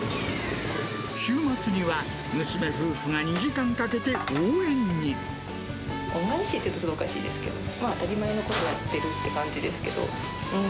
週末には娘夫婦が２時間かけ恩返しっていうとおかしいですけど、当たり前のことをやってるって感じですけど。